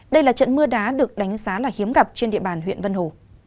đây là trận mưa đá được đánh giá là hiếm gặp trên địa bàn huyện vân hồ